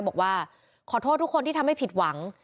บอกว่าขอโทษทุกคนที่ทำให้ผิดหวัง